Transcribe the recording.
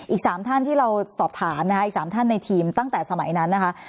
อีก๓ท่านที่เราสอบถามนะคะอีก๓ท่านในทีมตั้งแต่สมัยนั้นนะคะ